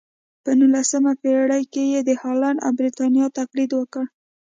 په نولسمه پېړۍ کې یې د هالنډ او برېټانیا تقلید وکړ.